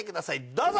どうぞ！